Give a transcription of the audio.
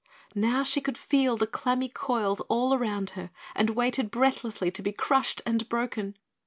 Now she could feel the clammy coils all around her and waited breathlessly to be crushed and broken.